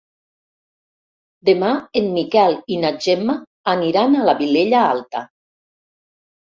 Demà en Miquel i na Gemma aniran a la Vilella Alta.